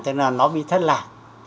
tức là nó bị thất lạc